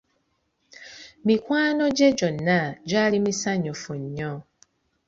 Mikwano gye gyonna gyali misanyufu nnyo.